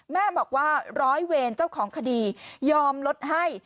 แม่บอกว่าร้อยเวรเจ้าของคดียอมลดให้